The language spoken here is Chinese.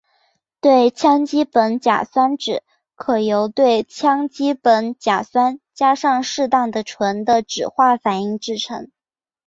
对羟基苯甲酸酯可由对羟基苯甲酸加上适当的醇的酯化反应制成。